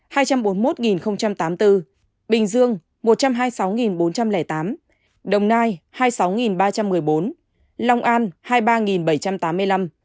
hồ chí minh hai trăm bốn mươi một tám mươi bốn bình dương một trăm hai mươi sáu bốn trăm linh tám đồng nai hai mươi sáu ba trăm một mươi bốn long an hai mươi ba bảy trăm tám mươi năm tiền giang một mươi hai trăm chín mươi